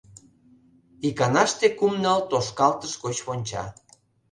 Иканаште кум-ныл тошкалтыш гоч вонча.